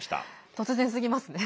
突然すぎますね。